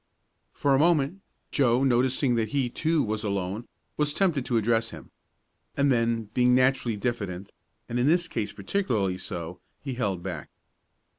For a moment Joe, noticing that he, too, was alone, was tempted to address him. And then, being naturally diffident, and in this case particularly so, he held back.